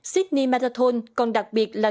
sydney marathon còn đặc biệt là